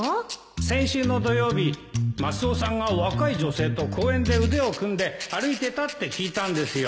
先週の土曜日マスオさんが若い女性と公園で腕を組んで歩いてたって聞いたんですよ